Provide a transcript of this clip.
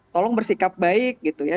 tolong bersikap baik gitu ya